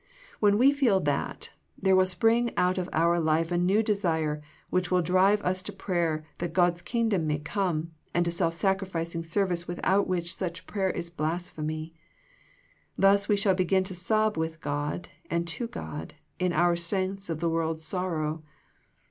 When we feel that, there will spring out of our life a new desire which will drive us to prayer that God's Kingdom may come, and to self sacrificing service without which such prayer is blasphemy. Thus we shall begin to sob with God and to God, in our sense of the world's sorrow.